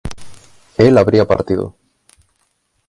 él habría partido